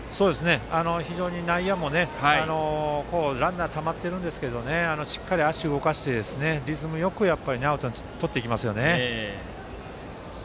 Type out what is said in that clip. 内野もランナーたまっているんですけどしっかり足を動かしてリズムよくアウトをとっていきますよね。